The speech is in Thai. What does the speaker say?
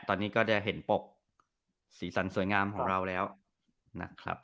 ตอนนี้ก็จะเห็นปกสีสันสวยงามของเราแล้วนะครับ